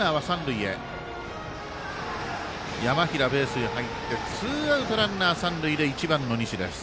山平、ベースに入ってツーアウト、ランナー、三塁で１番の西です。